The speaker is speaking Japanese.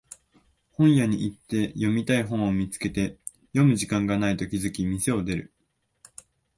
本屋行って読みたい本を見つけて読む時間がないと気づき店を出る